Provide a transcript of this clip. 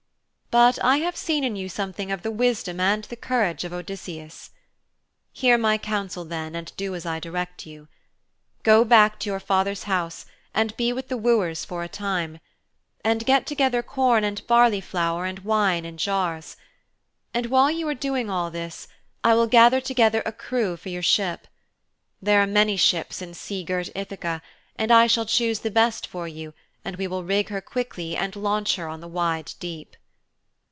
But I have seen in you something of the wisdom and the courage of Odysseus. Hear my counsel then, and do as I direct you. Go back to your father's house and be with the wooers for a time. And get together corn and barley flour and wine in jars. And while you are doing all this I will gather together a crew for your ship. There are many ships in sea girt Ithaka and I shall choose the best for you and we will rig her quickly and launch her on the wide deep.'